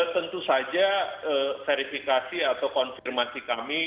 tentu saja verifikasi atau konfirmasi kami